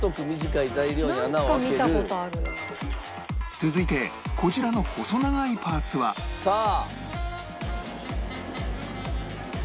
続いてこちらの細長いパーツはさあ！